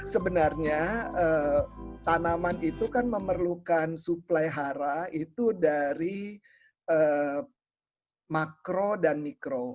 sebenarnya tanaman itu kan memerlukan suplai hara itu dari makro dan mikro